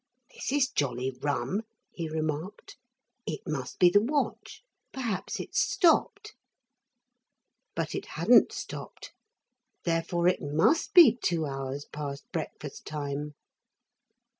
'This is jolly rum,' he remarked. 'It must be the watch. Perhaps it's stopped.' But it hadn't stopped. Therefore it must be two hours past breakfast time.